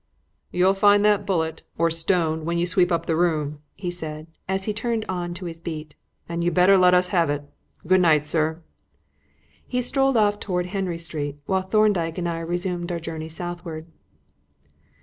"You'll find that bullet or stone when you sweep up the room," he said, as he turned on to his beat; "and you'd better let us have it. Good night, sir." He strolled off towards Henry Street, while Thorndyke and I resumed our journey southward.